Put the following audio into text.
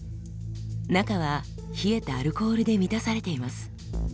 中は冷えたアルコールで満たされています。